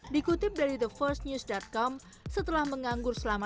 dikutip dari thefirstnews com setelah menganggur selama tiga bulan